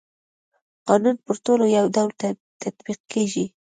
قانون پر ټولو يو ډول تطبيق کيږي.